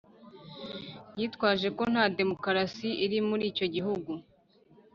yitwaje ko nta demokarasi iri muri icyo gihugu?